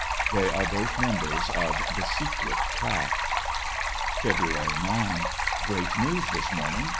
They are both members of the secret craft. Feb. 9.— Great news this morning.